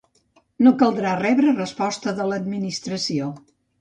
No caldrà rebre resposta de l'Administració.